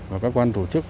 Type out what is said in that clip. và các quan tổ chức